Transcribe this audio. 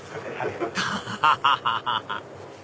アハハハ